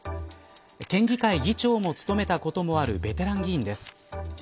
県議会議長も務めたこともあるベテラン議員です。